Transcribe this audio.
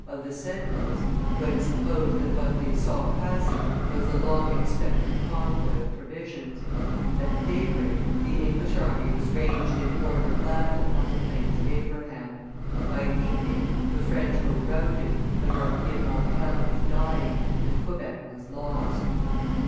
of the sentinels, who had supposed that what they saw passing was a long expected convoy of provisions; at daybreak the English army was ranged in order of battle on the Plains of Abraham; by evening, the French were routed, the Marquis of Montcalm was dying, and Quebec was lost.